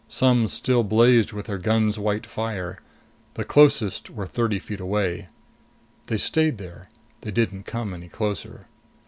Some still blazed with her guns' white fire. The closest were thirty feet away. They stayed there. They didn't come any closer.